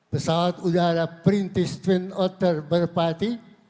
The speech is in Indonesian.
pesawat udara perintis twin otter merpati